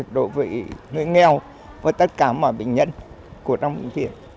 đối với người nghèo và tất cả mọi bệnh nhân trong huyện